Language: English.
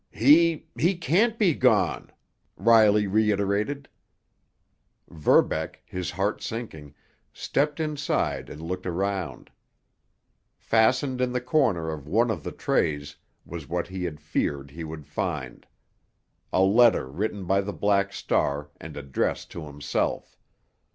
"He—he can't be gone!" Riley reiterated. Verbeck, his heart sinking, stepped inside and looked around. Fastened in the corner of one of the trays was what he had feared he would find—a letter written by the Black Star and addressed to himself.